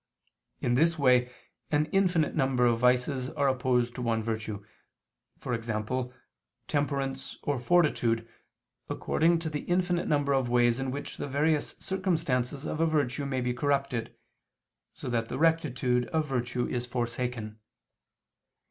In this way an infinite number of vices are opposed to one virtue, e.g. temperance or fortitude, according to the infinite number of ways in which the various circumstances of a virtue may be corrupted, so that the rectitude of virtue is forsaken.